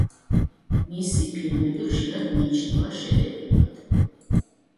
მისი ფილმები ხშირად მიიჩნევა შედევრებად.